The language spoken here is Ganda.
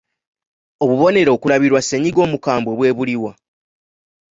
Obubonero okulabirwa Ssennyiga omukambwe bwe buli wa?